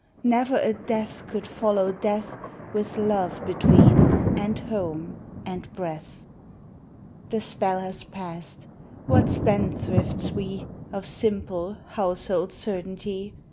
Never a death could follow death With love between, and home, and breath. The spell has passed. What spendthrifts we, Of simple, household certainty